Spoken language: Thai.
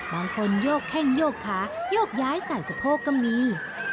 บางคนโยกแข้งโยกขายโยกย้ายใส่สะโพกก็มี